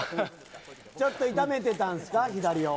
ちょっと痛めてたんですか左を。